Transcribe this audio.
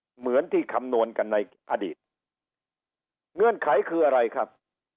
เหมือนที่คำนวณกันในอดีตเงื่อนไขคืออะไรครับ